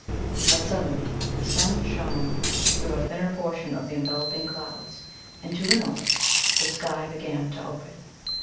But suddenly the sun shone through a thinner portion of the enveloping clouds, and, to the north, the sky began to open.